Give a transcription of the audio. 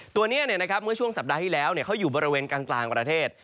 ตัวนี้เมื่อช่วงสัปดาห์ที่แล้วเขาอยู่บริเวณกลางประเทศ